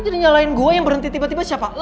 jadi nyalain gue yang berhenti tiba tiba siapa